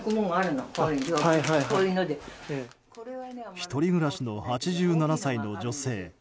１人暮らしの８７歳の女性。